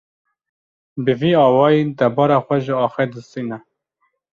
Bi vî awayî debara xwe ji axê distîne.